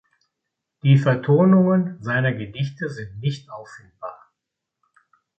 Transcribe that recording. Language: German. Die Vertonungen seiner Gedichte sind nicht auffindbar.